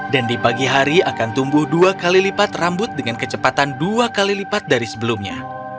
dan di pagi hari akan tumbuh dua kali lipat rambut dengan kecepatan dua kali lipat dari sebelumnya